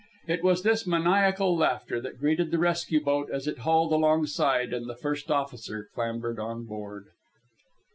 It was this maniacal laughter that greeted the rescue boat as it hauled alongside and the first officer clambered on board.